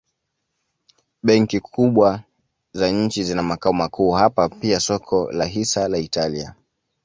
Benki kubwa za nchi zina makao makuu hapa pia soko la hisa la Italia.